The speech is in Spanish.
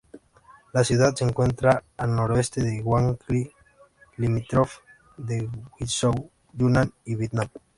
La ciudad se encuentra al noroeste de Guangxi, limítrofe de Guizhou, Yunnan y Vietnam.